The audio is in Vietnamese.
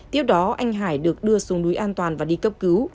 tiếp đó anh hải được đưa xuống núi an toàn và đi cấp cứu